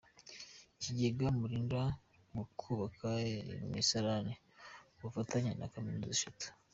Ikijyega Melinda mu kubaka imisarani ku bufatanye na kaminuza Eshatu